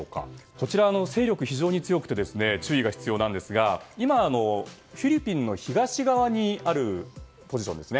こちらは勢力が非常に強くて注意が必要ですが今、フィリピンの東側にあるポジションです。